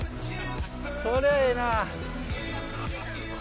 こりゃええな。